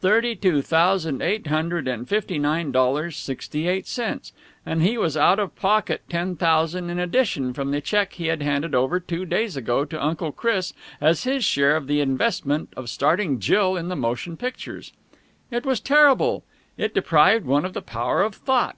Thirty two thousand eight hundred and fifty nine dollars, sixty eight cents! And he was out of pocket ten thousand in addition from the cheque he had handed over two days ago to Uncle Chris as his share of the investment of starting Jill in the motion pictures. It was terrible! It deprived one of the power of thought.